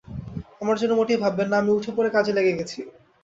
আমার জন্য মোটেই ভাববেন না, আমি উঠে-পড়ে কাজে লেগে গেছি।